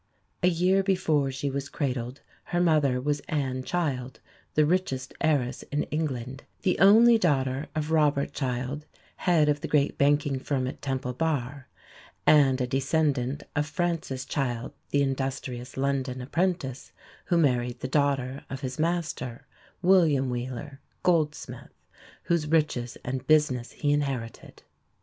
A year before she was cradled her mother was Anne Child, the richest heiress in England the only daughter of Robert Child, head of the great banking firm at Temple Bar, and a descendant of Francis Child, the industrious London apprentice who married the daughter of his master, William Wheeler, goldsmith, whose riches and business he inherited.